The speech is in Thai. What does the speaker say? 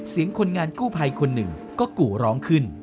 คนงานกู้ภัยคนหนึ่งก็กู่ร้องขึ้น